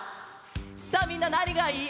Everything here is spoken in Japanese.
さあみんななにがいい？